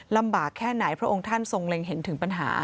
ลำบากแค่ไหนพระองค์ท่านทรงเล็งเห็นถึงปัญหา